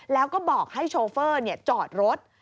แล้วก็บอกให้โชเฟอร์จอดรถ